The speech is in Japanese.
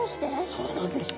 そうなんです。